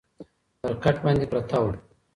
پر کټ باندي پرته وه